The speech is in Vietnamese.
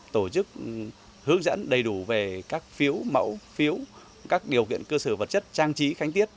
tổ chức hướng dẫn đầy đủ về các phiếu mẫu phiếu các điều kiện cơ sở vật chất trang trí khánh tiết